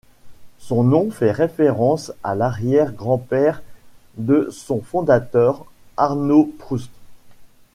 Son nom fait référence à l'arrière-grand-père de son fondateur, Arnaud Proust.